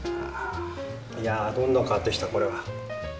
いやどんどん変わってきたこれは。